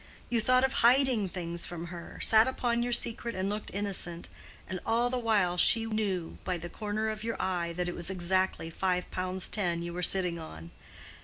You thought of hiding things from her—sat upon your secret and looked innocent, and all the while she knew by the corner of your eye that it was exactly five pounds ten you were sitting on!